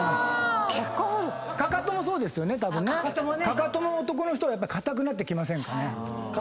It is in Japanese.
かかとも男の人は硬くなってきませんかね。